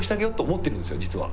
実は。